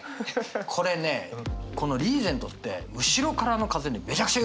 これねこのリーゼントって後ろからの風にめちゃくちゃ弱いわけ。